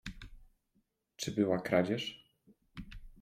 "Czy była kradzież?"